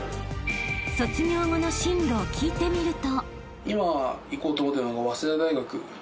［卒業後の進路を聞いてみると］